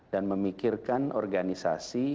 dan memikirkan organisasi